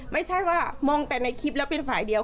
ไม่ใช่ว่ามองแต่ในคลิปแล้วเป็นฝ่ายเดียว